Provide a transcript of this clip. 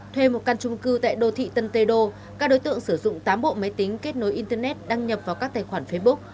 thuê một căn trung cư tại đô thị tân tê đô các đối tượng sử dụng tám bộ máy tính kết nối internet đăng nhập vào các tài khoản facebook